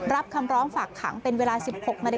รับคำร้องฝากขังเป็นเวลา๑๖นาฬิ